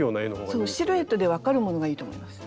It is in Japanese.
そうシルエットで分かるものがいいと思います。